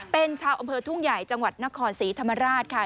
เป็นชาวอำเภอทุ่งใหญ่จังหวัดนครศรีธรรมราชค่ะ